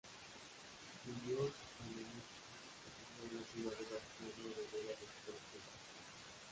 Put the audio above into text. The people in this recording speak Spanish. Muñoz Ramonet designó a la ciudad de Barcelona heredera de su colección.